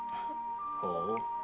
ほう。